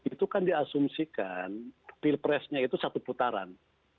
itu kan diasumsikan pilpresnya itu satu putaran